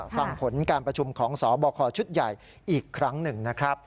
ฟังผลการประชุมของสบคชุดใหญ่อีกครั้งหนึ่งนะครับ